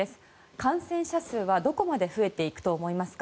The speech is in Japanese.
感染者数はどこまで増えていくと思いますか？